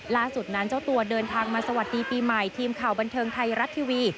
ล่าสุดนั้นเจ้าตัวเดินทางมาสวัสดีปีใหม่ทีมข่าวบันเทิงไทยรัฐทีวี